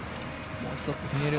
もう１つひねる。